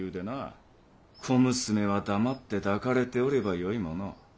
小娘は黙って抱かれておればよいものを。